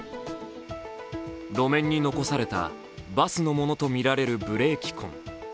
路面に残されたバスのものとみられるブレーキ痕。